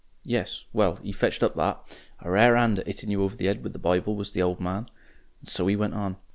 Yes. Well, he fetched up that. A rare 'and at 'itting you over the 'ed with the Bible, was the old man. And so he went on.